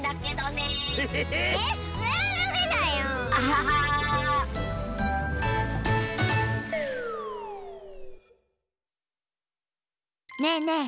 ねえねえ。